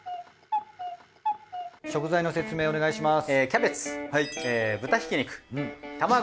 食材の説明お願いします。